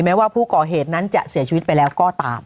แม้ว่าผู้ก่อเหตุนั้นจะเสียชีวิตไปแล้วก็ตาม